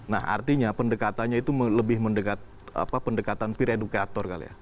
nah artinya pendekatannya itu lebih mendekat pendekatan peer educator kali ya